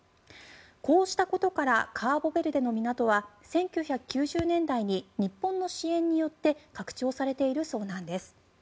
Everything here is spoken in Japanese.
こうしたことからカボベルデの港は１９９０年代に日本の支援によって拡張されているそうなんです。